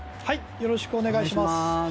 よろしくお願いします。